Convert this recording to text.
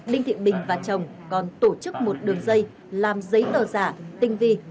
đinh thị bình và chồng còn tổ chức một đường dây làm giấy tờ giả tinh vi